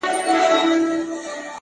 زه د یویشتم قرن ښکلا ته مخامخ یم ـ